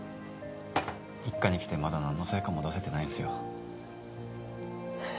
一課に来てまだ何の成果も出せてないんですよ